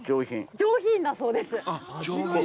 上品だそうです。